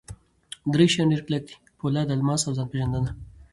درې شیان ډېر کلک دي: پولاد، الماس اوځان پېژندنه.